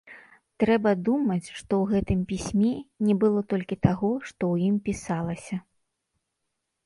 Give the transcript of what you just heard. Трэба думаць, што ў гэтым пісьме не было толькі таго, што ў ім пісалася.